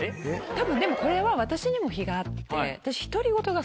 たぶんでもこれは私にも非があって私。